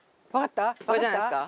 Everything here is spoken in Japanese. これじゃないですか？